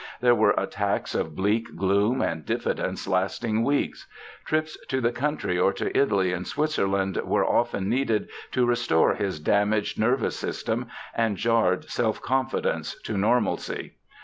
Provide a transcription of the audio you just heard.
There were attacks of bleak gloom and diffidence lasting weeks. Trips to the country or to Italy and Switzerland were often needed to restore his damaged nervous system and jarred self confidence to normalcy.